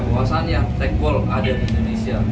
kauasanya techball ada di indonesia